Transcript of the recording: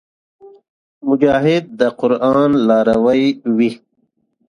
مجاهد د قران لاروي وي.